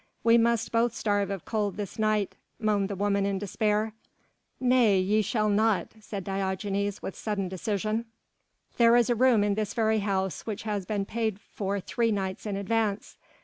"We must both starve of cold this night," moaned the woman in despair. "Nay ye shall not!" said Diogenes with sudden decision. "There is a room in this very house which has been paid for three nights in advance.